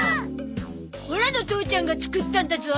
オラの父ちゃんが作ったんだゾ。